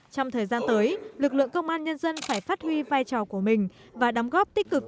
trong thời gian tới lực lượng công an nhân dân phải phát huy vai trò của mình và đóng góp tích cực